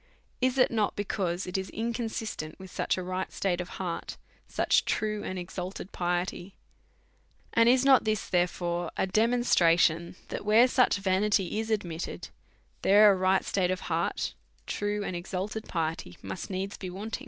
Is it not because it is incon » I ^', sistent with such a right state of heart, such true and '^'^ t exalted piety ? And is not this, therefore, a demon f|i# *'*'^' '^ration that, where such vanity is admitted, there a ^\^|'' right state of heart, true and exalted piety, must needs 1' V be wanted?